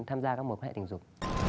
tham gia các mối quan hệ tình dục